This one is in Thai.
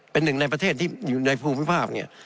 เป็นหนึ่งในประเทศที่อยู่ในภูมิภาคเนี่ย